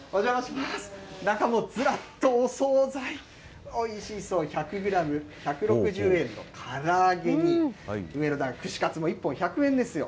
中もずらっとお総菜、おいしそう、１００グラム１６０円のから揚げに、上の段、串カツも１本１００円ですよ。